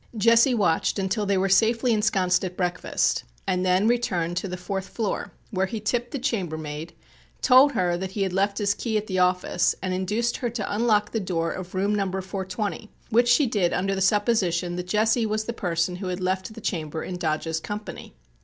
Jesse watched until they were safely ensconced at breakfast and then returned to the fourth floor where he tipped the chambermaid, told her that he had left his key at the office and induced her to unlock the door of room Number 420, which she did under the supposition that Jesse was the person who had left the chamber in Dodge's company.